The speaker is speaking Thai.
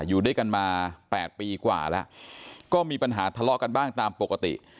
อยู่ด้วยกันมา๘ปีกว่าแล้วก็มีปัญหาทะเลาะกันบ้างตามปกติ